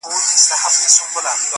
مناجات -